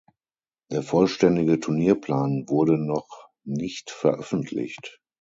Der vollständige Turnierplan wurde noch nicht veröffentlicht.